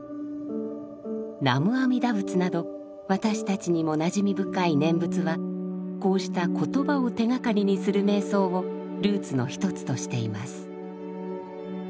「南無阿弥陀仏」など私たちにもなじみ深い念仏はこうした言葉を手がかりにする瞑想をルーツの一つとしています。